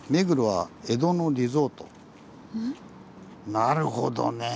なるほどね！